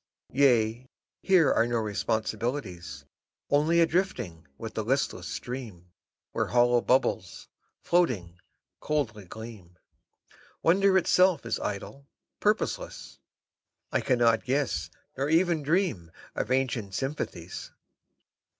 Yea, here are no responsibilities. Only a drifting with the listless stream Where hollow bubbles, floating, coldly gleam. Wonder itself is idle, purposeless; I cannot guess Nor even dream of ancient sympathies.